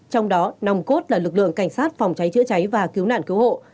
trong đó nòng cốt là lực lượng cảnh sát phòng cháy chữa cháy và cứu nạn cứu hộ